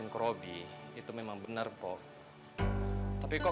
waktunya sudah sudah